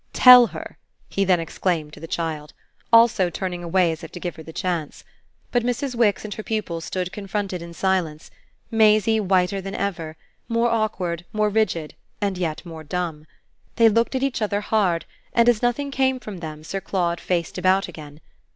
"Tell her!" he then exclaimed to the child, also turning away as if to give her the chance. But Mrs. Wix and her pupil stood confronted in silence, Maisie whiter than ever more awkward, more rigid and yet more dumb. They looked at each other hard, and as nothing came from them Sir Claude faced about again.